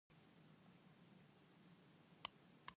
Saya ingin jus jeruk.